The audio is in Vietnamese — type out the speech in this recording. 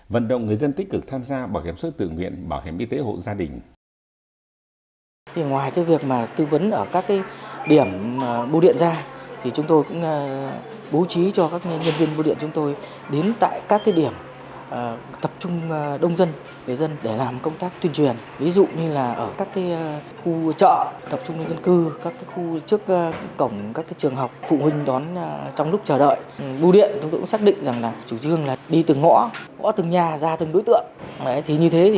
vận động người dân tích cực tham gia bảo hiểm xã hội tự nguyện bảo hiểm y tế hộ gia đình